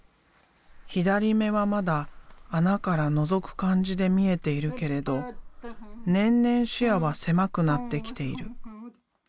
左目はまだ穴からのぞく感じで見えているけれど年々視野は狭くなってきている。